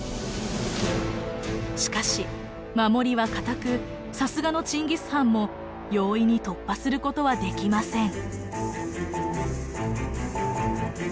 しかし守りは堅くさすがのチンギス・ハンも容易に突破することはできません。